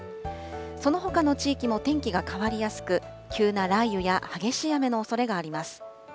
そのほかの地域も天気が変わりやすく、急な雷雨や激しい雨のおそれがあります。